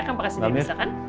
kamu pakai sendiri bisa kan